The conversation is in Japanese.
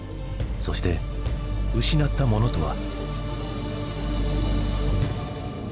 そして失ったものとは？